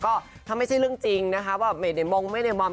ก็ถ้าไม่ใช่เรื่องจริงนะคะว่าไม่ได้มงไม่ได้มอม